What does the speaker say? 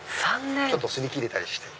ちょっと擦り切れたりして。